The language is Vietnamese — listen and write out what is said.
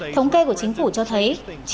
thống kê của chính phủ cho thấy